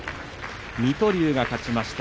水戸龍が勝ちました。